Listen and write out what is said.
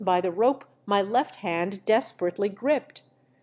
32 I by the rope my left hand desperately gripped.